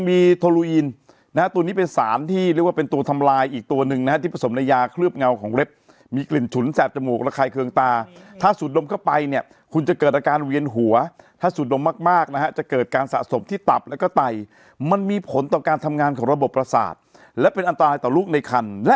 มีโทโลอีนนะฮะตัวนี้เป็นสารที่เรียกว่าเป็นตัวทำลายอีกตัวหนึ่งนะฮะที่ผสมในยาเคลือบเงาของเล็บมีกลิ่นฉุนแสบจมูกระคายเคืองตาถ้าสูดดมเข้าไปเนี่ยคุณจะเกิดอาการเวียนหัวถ้าสูดดมมากนะฮะจะเกิดการสะสมที่ตับแล้วก็ไตมันมีผลต่อการทำงานของระบบประสาทและเป็นอันตรายต่อลูกในคัน